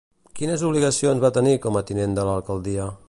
Quines obligacions va tenir com a tinent de l'alcaldia?